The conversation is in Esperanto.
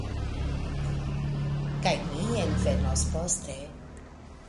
Kaj mi envenos poste.